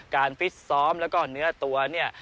ฟิตซ้อมแล้วก็เนื้อตัวเนี่ย